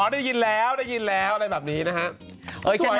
อ๋อได้ยินแล้วอะไรแบบนี้นะฮะ